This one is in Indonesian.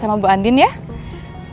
derived dari asing ushaisa